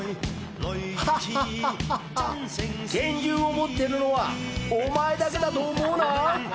ハッハッハ、拳銃を持ってるのはお前だけだと思うな。